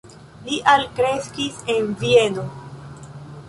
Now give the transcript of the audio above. Li alkreskis en Vieno.